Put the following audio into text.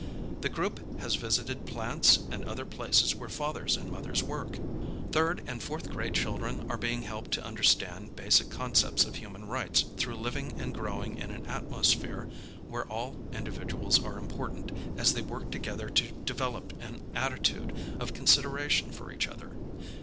The group has visited plants and other places where fathers and mothers work. Third and fourth grade children are being helped to understand basic concepts of human rights through living and growing in an atmosphere where all individuals are important as they work together to develop an attitude of consideration for each other.